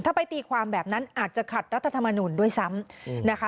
ถ้าไปตีความแบบนั้นอาจจะขัดรัฐธรรมนูลด้วยซ้ำนะคะ